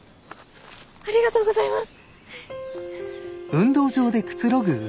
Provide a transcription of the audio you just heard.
ありがとうございます！